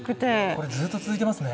これずっと続いてますね。